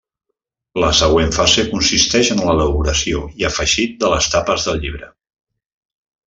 La següent fase consisteix en l'elaboració i afegit de les tapes del llibre.